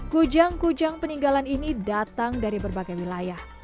kujang kujang peninggalan ini datang dari berbagai wilayah